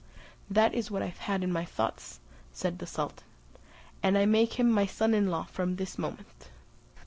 "That is what I had in my thoughts," said the sultan; "and I make him my son in law from this moment."